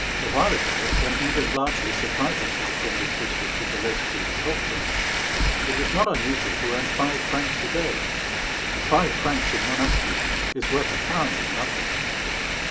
A while ago, when England largely supplied herself from this district with the lace called torchon, it was not unusual to earn five francs a day; and five francs in Monastier is worth a pound in London.